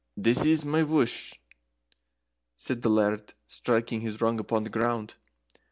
"This is my wush," said the Laird, striking his rung upon the ground.